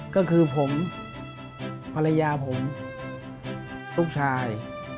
ก็คือผมภรรยาผมลูกชาย